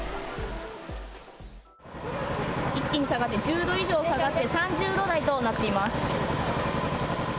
一気に下がって１０度以上下がって、３０度台となっています。